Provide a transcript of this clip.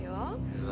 うわ。